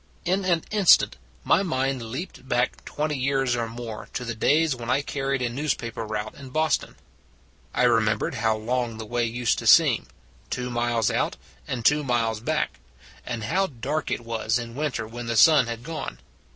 In an instant my mind leaped back twenty years or more, to the days when I carried a newspaper route in Boston. I remembered how long the way used to seem > two miles out and two miles back and how dark it was, in winter, when the sun had gone.